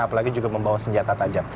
apalagi juga membawa senjata tajam